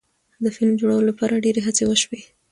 د فلم جوړولو لپاره ډیرې هڅې وشوې.